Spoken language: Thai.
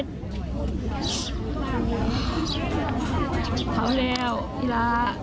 เทาแล้วพระลาพระลาแม่ไปสู้สุขภิกษ์ด้วย